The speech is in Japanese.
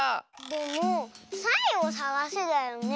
でも「サイをさがせ」だよね？